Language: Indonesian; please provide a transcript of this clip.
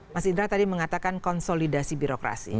mas indra tadi mengatakan konsolidasi birokrasi